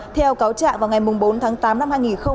theo cáo trạng vào ngày bốn tháng tám năm hai nghìn hai mươi